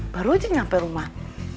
baru aja nyampe rumah